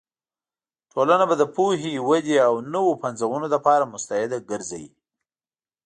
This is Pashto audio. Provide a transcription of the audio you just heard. ټولنه به د پوهې، ودې او نوو پنځونو لپاره مستعده ګرځوې.